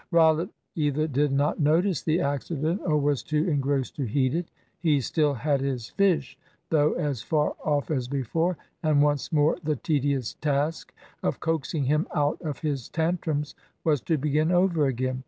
Rollitt either did not notice the accident or was too engrossed to heed it. He still had his fish, though as far off as before, and once more the tedious task of coaxing him out of his tantrums was to begin over again.